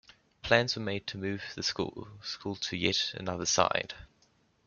Plans were made to move the school to yet another site.